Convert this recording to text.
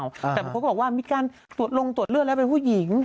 แต่บางคนก็บอกว่ามีการตรวจลงตรวจเลือดแล้วเป็นผู้หญิง